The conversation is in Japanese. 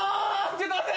ちょっと待って。